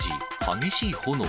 激しい炎。